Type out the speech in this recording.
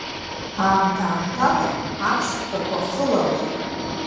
Аамҭа-аамҭала аԥсҭҳәақәа хылалоит.